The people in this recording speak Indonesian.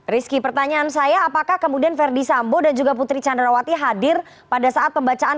rizky pertanyaan saya apakah kemudian verdi sambo dan juga putri candrawati hadir pada saat pembacaan